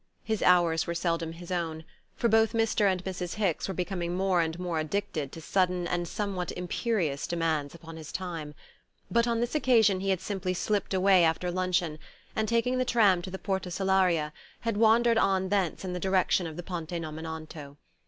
His hours were seldom his own, for both Mr. and Mrs. Hicks were becoming more and more addicted to sudden and somewhat imperious demands upon his time; but on this occasion he had simply slipped away after luncheon, and taking the tram to the Porta Salaria, had wandered on thence in the direction of the Ponte Nomentano.